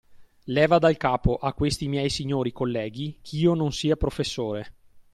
Leva dal capo a questi miei signori colleghi ch'io non sia professore.